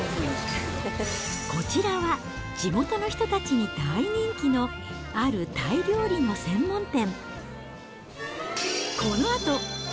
こちらは、地元の人たちに大人気のあるタイ料理の専門店。